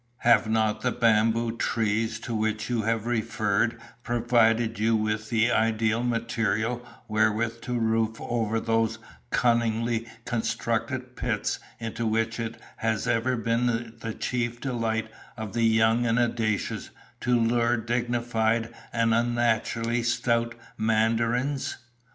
Have not the bamboo trees to which you have referred provided you with the ideal material wherewith to roof over those cunningly constructed pits into which it has ever been the chief delight of the young and audacious to lure dignified and unnaturally stout Mandarins?